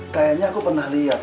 kayaknya aku pernah lihat